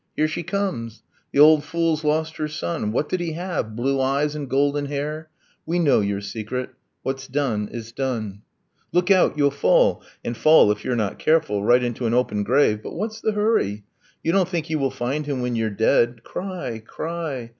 Here she comes! the old fool's lost her son. What did he have blue eyes and golden hair? We know your secret! what's done is done. Look out, you'll fall and fall, if you're not careful, Right into an open grave. .. but what's the hurry? You don't think you will find him when you're dead? Cry! Cry!